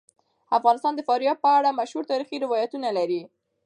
افغانستان د فاریاب په اړه مشهور تاریخی روایتونه لري.